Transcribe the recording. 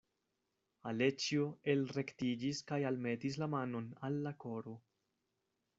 Aleĉjo elrektiĝis kaj almetis la manon al la koro.